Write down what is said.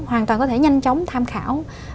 hoàn toàn có thể nhanh chóng tham khảo